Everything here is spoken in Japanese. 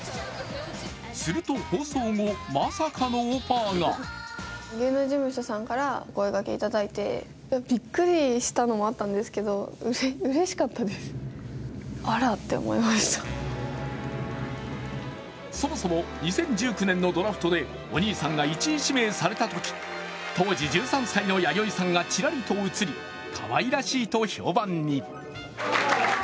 すると放送後、まさかのオファーがそもそも２０１９年のドラフトでお兄さんが１位指名されたとき当時１３歳の弥生さんがチラリと映り、かわいらしいと評判に。